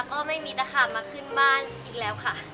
ก็ไม่มีตะขาบมาขึ้นบ้านอีกแล้วค่ะ